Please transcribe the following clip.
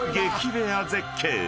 レア絶景］